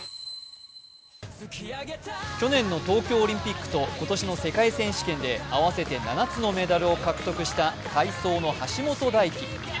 去年の東京オリンピックと今年の世界選手権で合わせて７つのメダルを獲得した体操の橋本大輝。